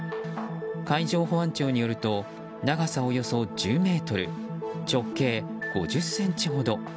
海上保安庁によると長さおよそ１０ｍ直径５０ｃｍほど。